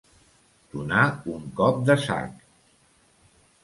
Donar un cop de sac.